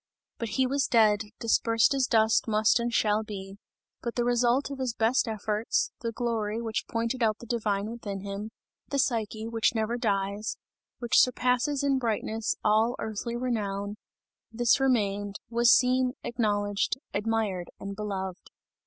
But he was dead, dispersed as dust must and shall be; but the result of his best efforts, the glory which pointed out the divine within him, the Psyche, which never dies, which surpasses in brightness, all earthly renown, this remained, was seen, acknowledged, admired and beloved.